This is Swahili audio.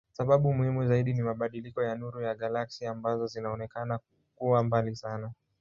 Sababu muhimu zaidi ni mabadiliko ya nuru ya galaksi ambazo zinaonekana kuwa mbali sana.